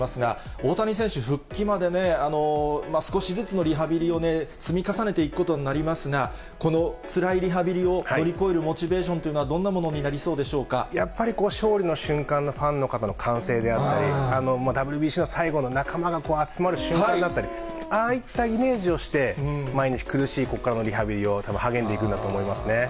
大谷選手、復帰まで、少しずつのリハビリを積み重ねていくことになりますが、このつらいリハビリを乗り越えるモチベーションというのは、やっぱり、勝利の瞬間のファンの方の歓声であったり、ＷＢＣの最後の仲間が集まる瞬間だったり、ああいったイメージして、毎日苦しいここからのリハビリを多分励んでいくんだと思いますね。